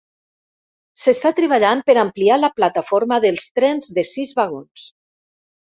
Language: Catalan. S'està treballant per ampliar la plataforma dels trens de sis vagons.